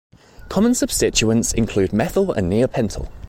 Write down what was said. Common substituents include methyl and neopentyl.